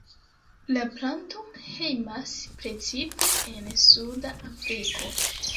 La planto hejmas precipe en suda Afriko.